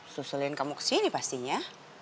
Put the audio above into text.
susulin kamu ke sini pastinya